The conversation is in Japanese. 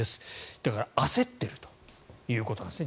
だから焦っているということなんですね。